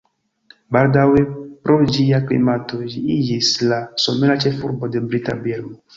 Baldaŭe pro ĝia klimato ĝi iĝis la somera ĉefurbo de brita Birmo.